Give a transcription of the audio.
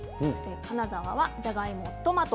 金沢はじゃがいも、トマト。